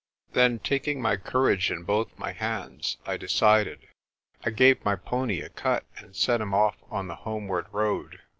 Then, taking my courage in both my hands, I decided. I gave my pony a cut, and set him off on the homeward road.